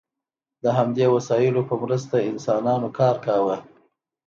د همدې وسایلو په مرسته انسانانو کار کاوه.